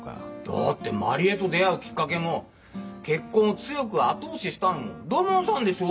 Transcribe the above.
だって万里江と出会うきっかけも結婚を強く後押ししたのも土門さんでしょ？